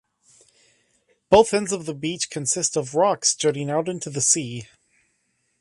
Both ends of the beach consist of rocks jutting out into the sea.